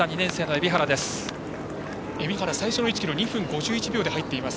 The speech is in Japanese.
海老原は最初の１ｋｍ２分５１秒で入っています。